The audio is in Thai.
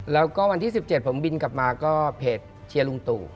แล้วก็วันที่๑๗ผมบินกลับมาก็เพจเชียร์ลุงตู่